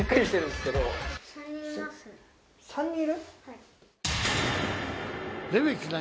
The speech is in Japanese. ３人いる？